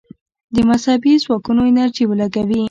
د مذهبي ځواکونو انرژي ولګوي.